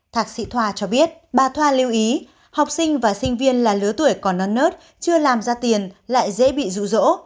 thạc sĩ thoa cho biết bà thoa lưu ý học sinh và sinh viên là lứa tuổi còn non nớt chưa làm ra tiền lại dễ bị rụ rỗ